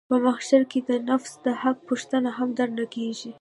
په محشر کښې د نفس د حق پوښتنه هم درنه کېږي.